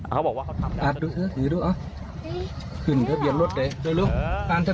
เขาบอกว่าเขาทำแบบนั้น